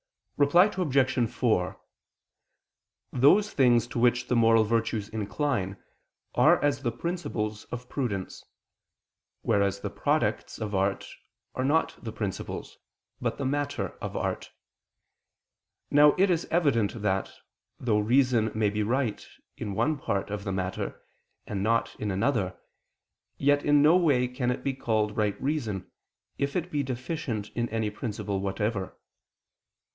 Reply Obj. 4: Those things to which the moral virtues incline, are as the principles of prudence: whereas the products of art are not the principles, but the matter of art. Now it is evident that, though reason may be right in one part of the matter, and not in another, yet in no way can it be called right reason, if it be deficient in any principle whatever.